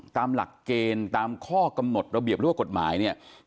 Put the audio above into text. ตามหลักเกณฑ์ตามข้อกำหนดระเบียบหรือว่ากฎหมายเนี่ย